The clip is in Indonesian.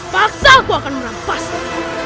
paksaku akan merampasmu